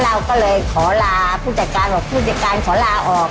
เราก็เลยขอลาผู้จัดการบอกผู้จัดการขอลาออก